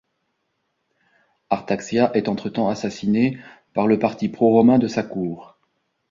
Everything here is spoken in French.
Artaxias est entre-temps assassiné par le parti pro-romain de sa cour.